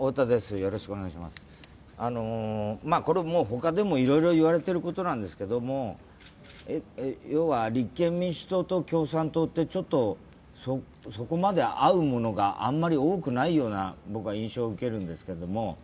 他でもいろいろ言われてることですが立憲民主党と共産党ってちょっとそこまで合うものがあんまり多くないような印象を受けるんですけども。